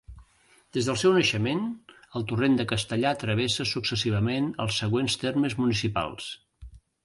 Des del seu naixement, el Torrent de Castellar travessa successivament els següents termes municipals.